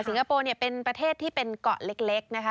คโปร์เนี่ยเป็นประเทศที่เป็นเกาะเล็กนะคะ